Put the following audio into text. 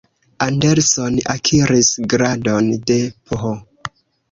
Anderson akiris gradon de Ph.